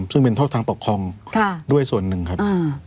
ซึ่งเป็นโทษทางปกครองด้วยส่วนหนึ่งครับ